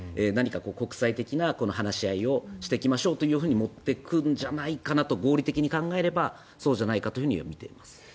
何か国際的な話し合いをしていきましょうと持っていくんじゃないかなと合理的に考えればそうじゃないかというふうに見ています。